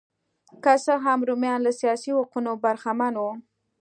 که څه هم رومیان له سیاسي حقونو برخمن وو